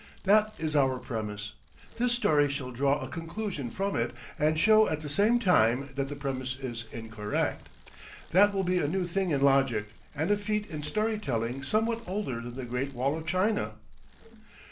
That is our premise. This story shall draw a conclusion from it, and show at the same time that the premise is incorrect. That will be a new thing in logic, and a feat in story telling somewhat older than the great wall of China.